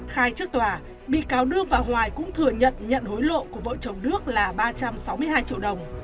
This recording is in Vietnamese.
khai trước tòa bị cáo đương và hoài cũng thừa nhận nhận hối lộ của vợ chồng đức là ba trăm sáu mươi hai triệu đồng